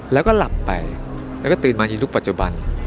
แล้วก็หลับไปแล้วก็ตื่นมาในยุคปัจจุบัน